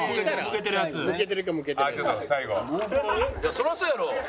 そりゃそうやろ。